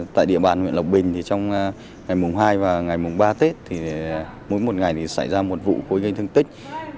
tại địa bàn huyện lộc bình trong ngày mùng hai và ngày mùng ba tết mỗi một ngày xảy ra một vụ cối gây thương tích